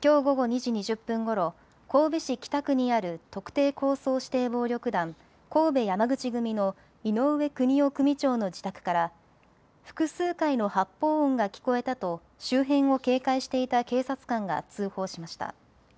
きょう午後２時２０分ごろ、神戸市北区にある特定抗争指定暴力団、神戸山口組の井上邦雄組長の自宅から複数回の発砲音が聞こえたと周辺を警戒していた警察官が通報しました。